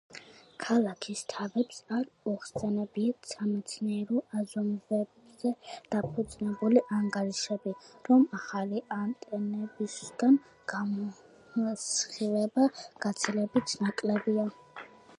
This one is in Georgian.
ქალაქის თავებს არ უხსენებიათ სამეცნიერო აზომვებზე დაფუძნებული ანგარიშები, რომ ახალი ანტენებისგან გამოსხივება გაცილებით ნაკლებია.